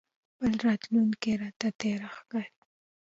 خپله راتلونکې راته تياره ښکاري.